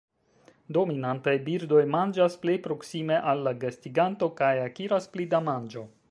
Dominantaj birdoj manĝas plej proksime al la gastiganto, kaj akiras pli da manĝo.